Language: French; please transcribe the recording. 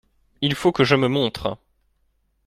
Il faut que je me montre.